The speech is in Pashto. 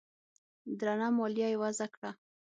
درنه مالیه یې وضعه کړه